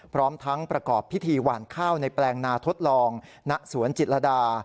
พร้อมทั้งประกอบพิธีหวานข้าวในแปลงนาทดลองณสวนจิตรดา